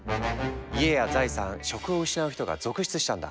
家や財産職を失う人が続出したんだ。